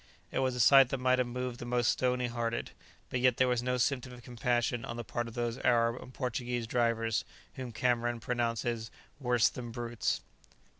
It was a sight that might have moved the most stony hearted, but yet there was no symptom of compassion on the part of those Arab and Portuguese drivers whom Cameron pronounces "worse than brutes."